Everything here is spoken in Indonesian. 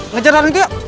ngejar orang itu yuk